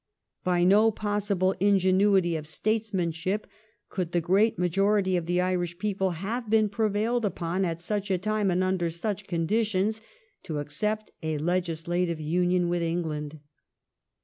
By no possible ingenuity of statesmanship could the great majority of the Irish people have been prevailed upon at such a time and under such conditions to accept a legislative union with England.